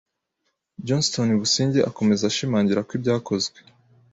Johnston Busingye, akomeza ashimangira ko ibyakozwe